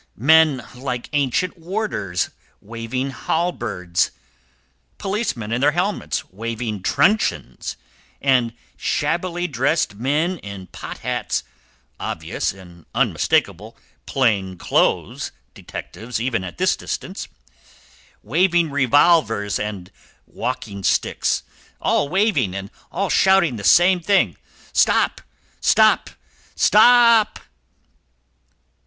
Men like ancient warders, waving halberds; policemen in their helmets, waving truncheons; and shabbily dressed men in pot hats, obvious and unmistakable plain clothes detectives even at this distance, waving revolvers and walking sticks; all waving, and all shouting the same thing—'Stop, stop, stop!